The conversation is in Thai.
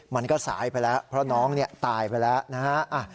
มันก็สายไปแล้วเพราะน้องตายไปแล้วนะฮะ